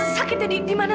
sakit ya di mana